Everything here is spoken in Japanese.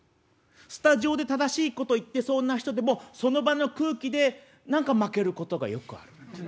スタジオで正しいこと言ってそうな人でもその場の空気で何か負けることがよくあるっていう。